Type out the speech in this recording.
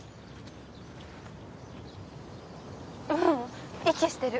ううん息してる。